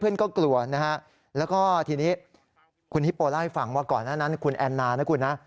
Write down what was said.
ก็กลัวนะฮะแล้วก็ทีนี้คุณฮิปโปเล่าให้ฟังว่าก่อนหน้านั้นคุณแอนนานะคุณนะ